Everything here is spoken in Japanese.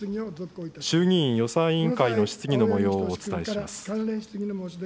衆議院予算委員会の質疑のもようをお伝えします。